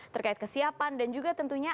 terkait kesiapan dan juga tentunya